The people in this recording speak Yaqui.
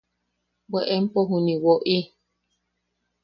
¡Bwe empo juniʼi woʼi!